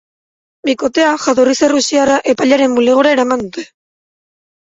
Bikotea, jatorriz errusiarra, epailearen bulegora eraman dute.